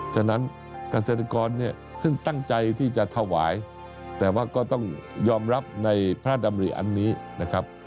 ฉะนั้นเกษตรกรเนี่ยซึ่งตั้งใจที่จะถวายแต่ว่าก็ต้องยอมรับในพระดำริอันนี้นะครับ